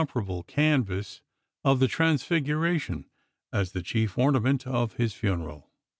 parable canvas of the Transfiguration as the chief ornament of his funeral.